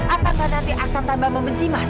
apakah nanti akan tambah membenci mas